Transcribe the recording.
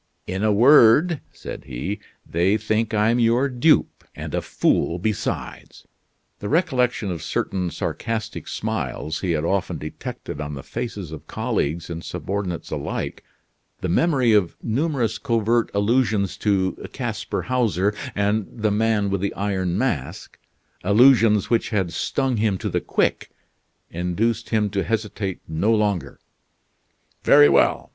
"In a word," said he, "they think I'm your dupe and a fool besides." The recollection of certain sarcastic smiles he had often detected on the faces of colleagues and subordinates alike, the memory of numerous covert allusions to Casper Hauser, and the Man with the Iron Mask allusions which had stung him to the quick induced him to hesitate no longer. "Very well!